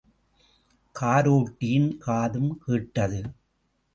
கரோட்டியின் காதும் கேட்டது.